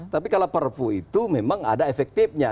tapi kalau perpu itu memang ada efektifnya